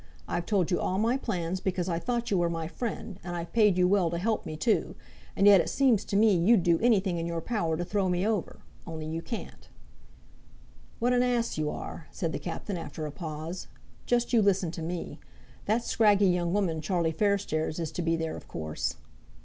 I've told you all my plans because I thought you were my friend, and I've paid you well to help me, too; and yet it seems to me you'd do anything in your power to throw me over, only you can't." "What an ass you are," said the Captain after a pause; "just you listen to me. That scraggy young woman, Charlie Fairstairs, is to be there of course."